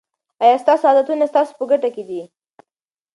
آیا ستاسو عادتونه ستاسو په ګټه دي.